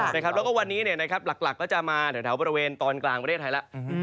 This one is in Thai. แล้วก็วันนี้หลักก็จะมาแถวบริเวณตอนกลางประเทศไทยแล้ว